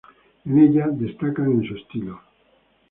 En ella, destacan en su estilo.